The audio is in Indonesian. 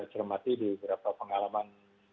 cermati di berapa pengalaman